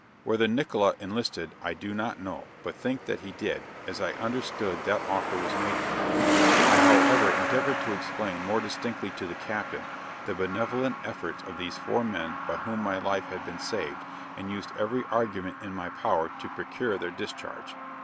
Whether Nickola enlisted, I do not know, but think that he did, as I understood that offer was made to him: I however endeavored to explain more distinctly to the captain, the benevolent efforts of these four men by whom my life had been saved, and used every argument in my power to procure their discharge.